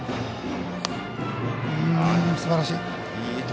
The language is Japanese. すばらしい。